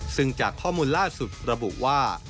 ซึ่งจากข้อมูลล่าสุดระบุว่า